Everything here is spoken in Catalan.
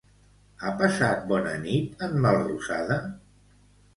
Ha passat bona nit en Melrosada?